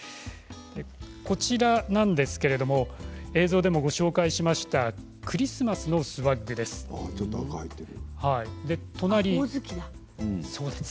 こちらなんですけれども映像でもご紹介しましたクリスマスのスワッグです。